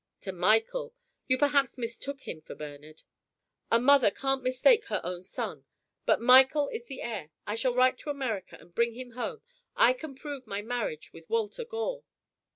"To Michael. You perhaps mistook him for Bernard." "A mother can't mistake her own son. But Michael is the heir. I shall write to America and bring him home. I can prove my marriage with Walter Gore."